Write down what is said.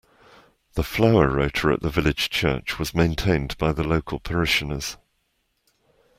The flower rota at the village church was maintained by the local parishioners